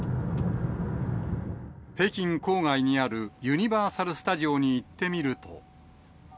北京郊外にあるユニバーサル・スタジオに行ってみると。